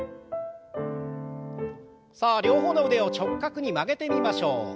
さあ両方の腕を直角に曲げてみましょう。